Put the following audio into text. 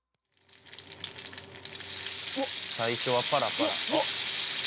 最初はパラパラ。